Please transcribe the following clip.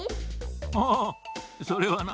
ああそれはな